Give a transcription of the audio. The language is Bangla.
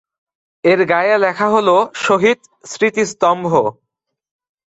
এর গায়ে লেখা হলো 'শহীদ স্মৃতিস্তম্ভ'।